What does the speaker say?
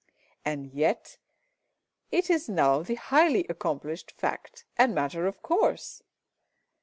And yet it is now the highly accomplished fact and matter of course!